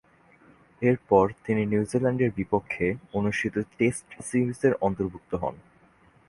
এরপর তিনি নিউজিল্যান্ডের বিপক্ষে অনুষ্ঠিত টেস্ট সিরিজে অন্তর্ভুক্ত হন।